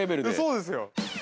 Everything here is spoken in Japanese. ◆そうですよ。